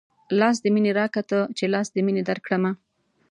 لاس د مينې راکه تۀ چې لاس د مينې درکړمه